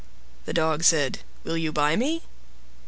The Dog said, "Will you buy me?"